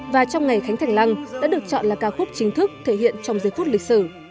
và trong ngày khánh thành lăng đã được chọn là ca khúc chính thức thể hiện trong giới phút lịch sử